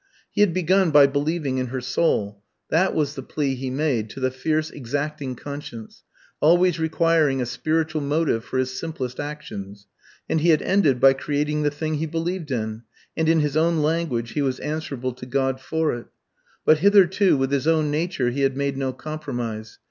He had begun by believing in her soul, that was the plea he made to the fierce exacting conscience, always requiring a spiritual motive for his simplest actions, and he had ended by creating the thing he believed in, and in his own language he was answerable to God for it. But hitherto with his own nature he had made no compromise.